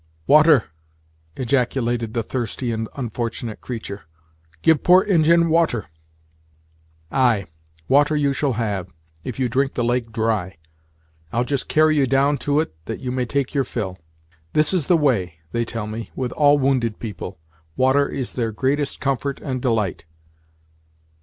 "Water!" ejaculated the thirsty and unfortunate creature; "give poor Injin water." "Ay, water you shall have, if you drink the lake dry. I'll just carry you down to it that you may take your fill. This is the way, they tell me, with all wounded people water is their greatest comfort and delight."